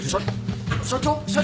・社長！